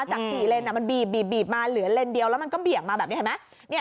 จากสี่เลนส์มันบีบมาเหลือเลนส์เดียวแล้วมันก็เบี่ยงมาแบบนี้